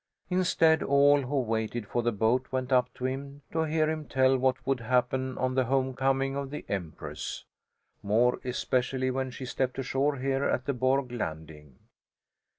Instead, all who waited for the boat went up to him to hear him tell what would happen on the homecoming of the Empress, more especially when she stepped ashore here, at the Borg landing.